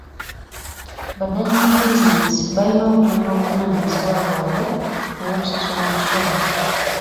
Bannanyini bizinensi balina okumanya obuvunaanyizibwa bwabwe obw'okusasula omusolo.